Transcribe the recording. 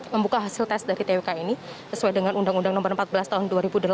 membuka hasil tes dari twk ini sesuai dengan undang undang nomor empat belas tahun dua ribu delapan